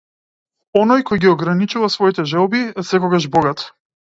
Оној кој ги ограничува своите желби е секогаш богат.